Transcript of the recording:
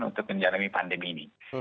untuk menjalani pandemi ini